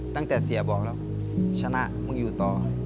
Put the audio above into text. ตั้งแต่เสียบอกแล้วชนะมึงอยู่ต่อ